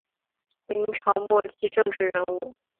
明朝末年政治人物。